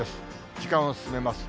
時間を進めます。